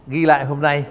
ghi lại hôm nay